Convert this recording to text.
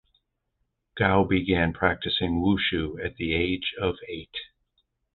Gao began practicing wushu at the age of eight.